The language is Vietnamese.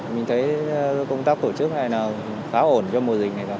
mình thấy công tác tổ chức này là khá ổn cho mùa dịch này